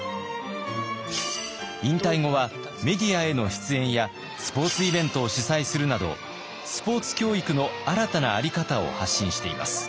引退後はメディアへの出演やスポーツイベントを主催するなどスポーツ教育の新たなあり方を発信しています。